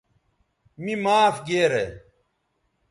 می معاف گیرے